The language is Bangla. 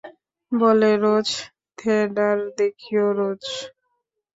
বলে, রোজ থেঠার দেখিও, রোজ।